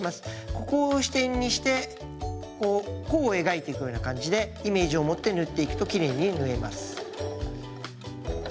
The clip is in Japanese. ここを支点にしてこう弧を描いていくような感じでイメージを持って縫っていくときれいに縫えます。